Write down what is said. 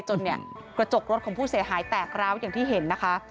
จนเนี่ยกระจกรถของผู้เสียหายแตกร้าวอย่างที่เห็นนะคะ